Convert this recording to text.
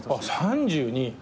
３２？